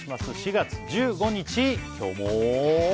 ４月１５日今日も。